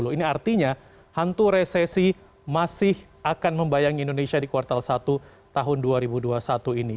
ini artinya hantu resesi masih akan membayang indonesia di kuartal satu tahun dua ribu dua puluh satu ini